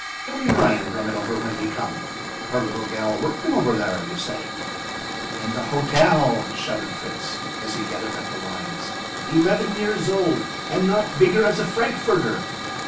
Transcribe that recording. Tommy Ryan brung it over when he come. Her little gal workin' over thar, you say?" "In the hotel," shouted Fritz, as he gathered up the lines; "eleven years old and not bigger as a frankfurter.